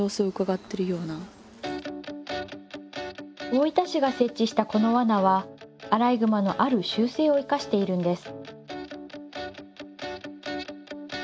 大分市が設置したこのワナはアライグマのある習性をいかしているんです